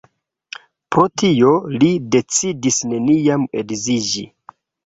Pro tio, li decidis neniam edziĝi.